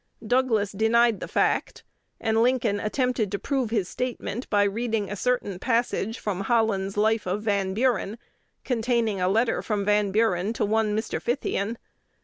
Douglas denied the fact; and Lincoln attempted to prove his statement by reading a certain passage from Holland's "Life of Van Buren," containing a letter from Van Buren to one Mr. Fithian.